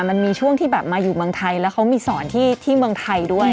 มันมีช่วงที่แบบมาอยู่เมืองไทยแล้วเขามีสอนที่เมืองไทยด้วย